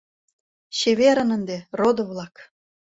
— Чеверын ынде, родо-влак!